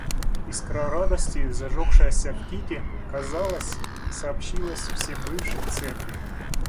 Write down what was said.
Искра радости, зажегшаяся в Кити, казалось, сообщилась всем бывшим в церкви.